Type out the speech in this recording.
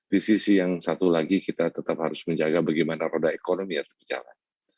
di sisi yang satu lagi kita tetap harus menjaga bagaimana roda ekonomi harus berjalan